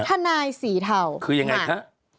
ทนายสีเทาคือยังไงคะ